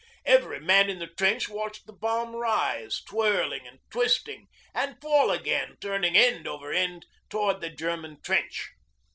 Every man in the trench watched the bomb rise, twirling and twisting, and fall again, turning end over end towards the German trench.